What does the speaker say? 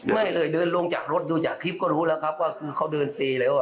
ไม่เลยเดินลงจากรถดูจากคลิปก็รู้แล้วครับว่าคือเขาเดินเซแล้ว